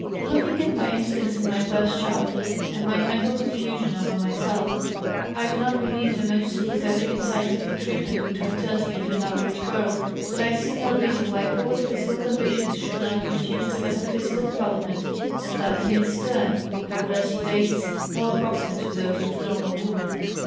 "Looking at my instincts in my first childhood and my mental confusion over myself, I do not believe the most sympathetic and scientific treatment would have turned me into an average girl, but I see no reason why proper physical conditions should not have induced a better physical development and that in its turn have led to tastes more approximate to those of the normal woman.